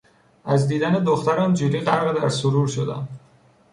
از دیدن دخترم جولی غرق در سرور شدم.